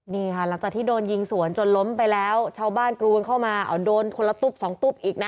นี่ค่ะหลังจากที่โดนยิงสวนจนล้มไปแล้วชาวบ้านกรูกันเข้ามาเอาโดนคนละตุ๊บสองตุ๊บอีกนะ